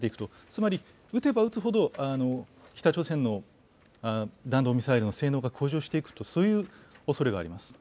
つまり、撃てば撃つほど北朝鮮の弾道ミサイルの性能が向上していくと、そういうおそれがあります。